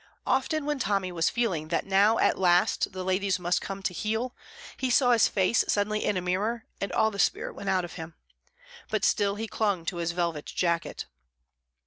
Often when Tommy was feeling that now at last the ladies must come to heel, he saw his face suddenly in a mirror, and all the spirit went out of him. But still he clung to his velvet jacket.